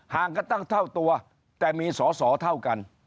ห่างกันตั้งเท่าตัวแต่มีสอสอเท่ากัน